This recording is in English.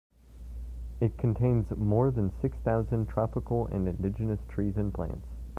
It contains more than six thousand tropical and indigenous trees and plants.